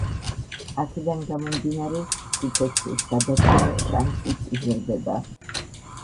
აქედან გამომდინარე, სიცოცხლის გადარჩენის შანსიც იზრდება.